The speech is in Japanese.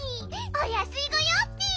おやすいごようッピ！